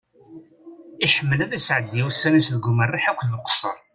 Iḥemmel ad isɛeddi ussan-is deg umerreḥ akked uqesser.